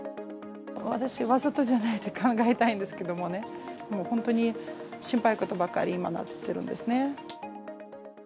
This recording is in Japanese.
私、わざとじゃないと考えたいんですけどもね、もう本当に、心配事ばっかり今なってるんですね。